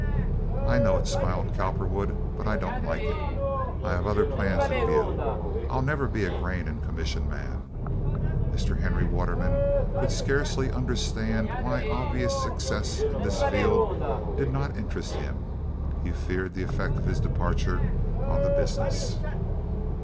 "I know it," smiled Cowperwood, "but I don't like it. I have other plans in view. I'll never be a grain and commission man." Mr. Henry Waterman could scarcely understand why obvious success in this field did not interest him. He feared the effect of his departure on the business.